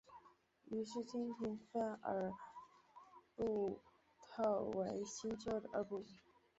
于是清廷分土尔扈特为新旧二部。